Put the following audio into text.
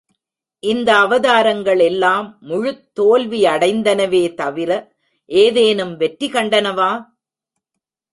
இந்த அவதாரங்கள் எல்லாம் முழுத் தோல்வி அடைந்தனவே தவிர, ஏதேனும் வெற்றி கண்டனவா?